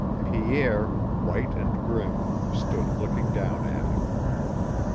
Pierre, white and grim, stood looking down at him.